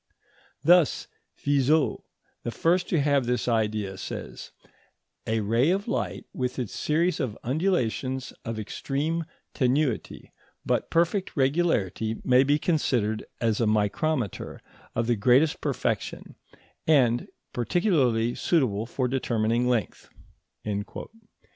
Thus Fizeau, the first to have this idea, says: "A ray of light, with its series of undulations of extreme tenuity but perfect regularity, may be considered as a micrometer of the greatest perfection, and particularly suitable for determining length."